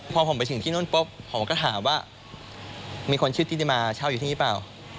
พอผมไปถึงที่นู่นปุ๊บผมก็ถามว่ามีคนชื่อที่ได้มาเช่าอยู่ที่นี่เปล่า